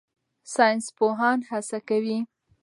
ساینسپوهان هڅه کوي.